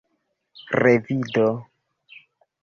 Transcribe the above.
revido